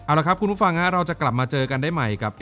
เอาละครับคุณผู้ฟังเราจะกลับมาเจอกันได้ใหม่กับ